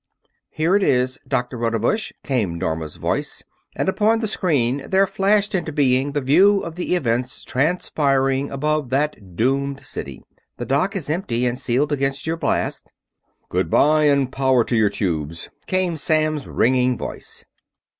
"Here it is, Doctor Rodebush," came Norma's voice, and upon the screen there flashed into being the view of the events transpiring above that doomed city. "The dock is empty and sealed against your blast." "Goodbye, and power to your tubes!" came Samms' ringing voice.